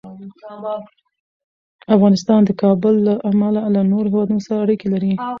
افغانستان د کابل له امله له نورو هېوادونو سره اړیکې لري.